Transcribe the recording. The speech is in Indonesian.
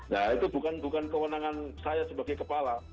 nah itu bukan kewenangan saya sebagai kepala